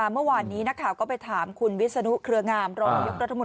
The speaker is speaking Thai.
เมื่อวานนี้นะครับก็ไปถามคุณวิศนุเคลืองาม